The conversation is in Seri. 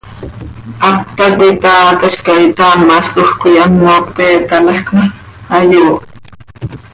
Hap tacoi taatolca, itaamalcoj coi ano pte itaalajc ma, hayooht.